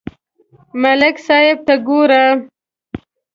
ملک صاحب ته گوره